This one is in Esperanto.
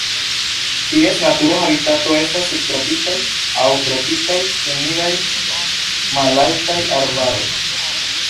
Ties natura habitato estas subtropikaj aŭ tropikaj humidaj malaltaj arbaroj.